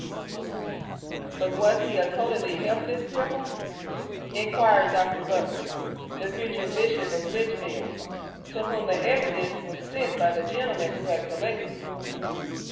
'But was he a totally helpless cripple?' inquired Dr. Butler, the future Bishop of Lichfield, to whom the evidence was sent by the gentlemen who had collected it.